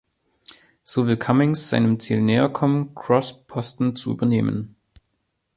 So will Cummings seinem Ziel näherkommen, Cross’ Posten zu übernehmen.